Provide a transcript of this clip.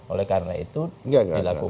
oleh karena itu dilakukan